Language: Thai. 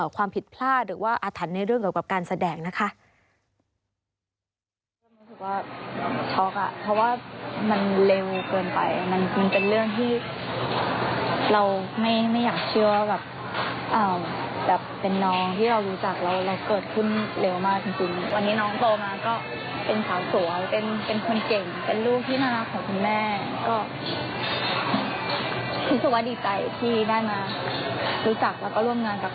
ความผิดพลาดหรือว่าอาถรรพ์ในเรื่องเกี่ยวกับการแสดงนะคะ